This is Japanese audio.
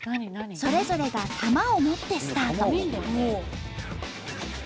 それぞれが玉を持ってスタート。